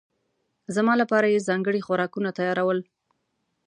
زما لپاره یې ځانګړي خوراکونه تيارول.